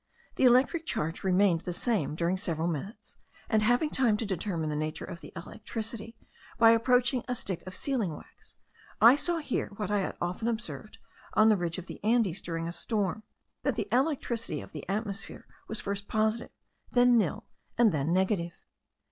The electric charge remained the same during several minutes; and having time to determine the nature of the electricity, by approaching a stick of sealing wax, I saw here what I had often observed on the ridge of the Andes during a storm, that the electricity of the atmosphere was first positive, then nil, and then negative.